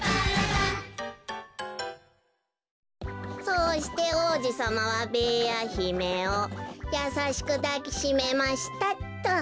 「そうして王子様はべーやひめをやさしくだきしめました」っと。